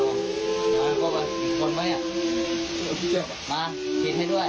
ปิดให้ด้วย